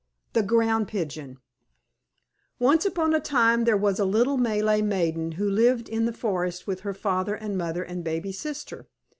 THE GROUND PIGEON Once upon a time there was a little Malay maiden who lived in the forest with her father and mother and baby sister.